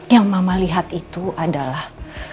yang mama lihat itu adalah